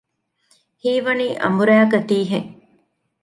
ހީވަނީ އަނބުރައިގަތީ ހެން